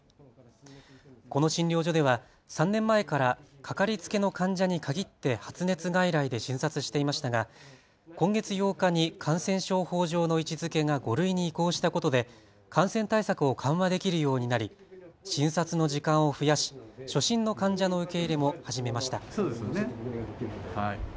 この診療所では３年前からかかりつけの患者に限って発熱外来で診察していましたが今月８日に感染症法上の位置づけが５類に移行したことで感染対策を緩和できるようになり診察の時間を増やし初診の患者の受け入れも始めました。